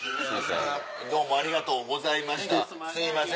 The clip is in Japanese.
どうもありがとうございましたすいません。